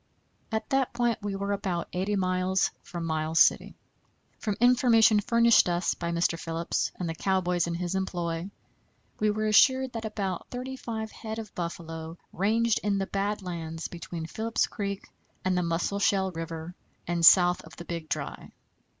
At that point we were about 80 miles from Miles City. From information furnished us by Mr. Phillips and the cowboys in his employ, we were assured that about thirty five head of buffalo ranged in the bad lands between Phillips Creek and the Musselshell River and south of the Big Dry.